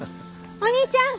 お兄ちゃん！